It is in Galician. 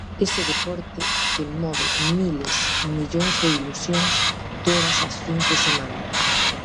Ese deporte que move miles, millóns de ilusións todas as fins de semana.